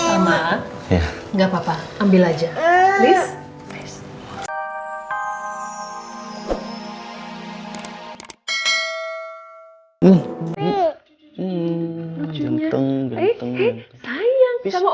enggak papa ambil aja